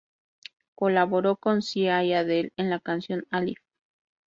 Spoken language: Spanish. Colaboró con Sia y Adele en la canción "Alive".